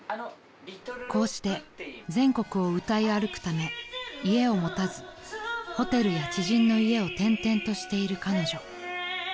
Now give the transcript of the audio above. ［こうして全国を歌い歩くため家を持たずホテルや知人の家を転々としている彼女］